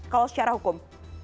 kalau secara hukum